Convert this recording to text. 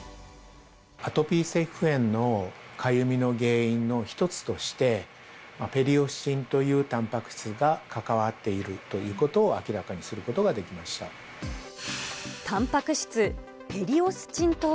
アトピー性皮膚炎のかゆみの原因の１つとして、ペリオスチンというたんぱく質が関わっているということを明らかたんぱく質、ペリオスチンとは。